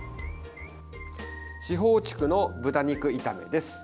四方竹の豚肉炒めです。